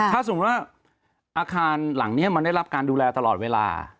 ถ้าสมมุติว่าอาคารหลังนี้มันได้รับการดูแลตลอดเวลา